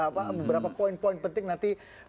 beberapa poin poin penting nanti